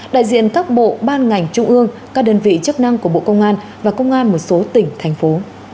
đại diện các bộ ban ngành trung ương các đơn vị chức năng của bộ công an và công an một số tỉnh thành phố